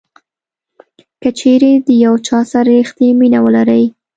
کچیرې د یو چا سره ریښتینې مینه ولرئ.